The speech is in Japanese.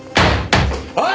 おい！